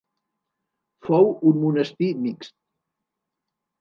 Fou un monestir mixt.